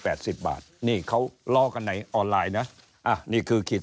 สิบบาทนี่เขาล้อกันในออนไลน์นะอ่ะนี่คือขีด